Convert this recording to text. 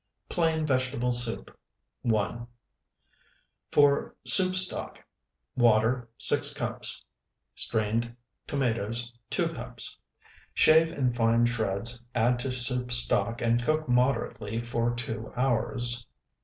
PLAIN VEGETABLE SOUP (1) For soup stock. Water, 6 cups. Strained tomatoes, 2 cups. Shave in fine shreds, add to soup stock, and cook moderately for two hours.